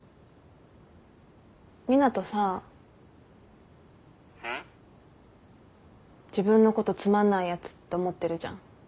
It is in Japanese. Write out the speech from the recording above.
自分のことつまんないやつって思ってるじゃん。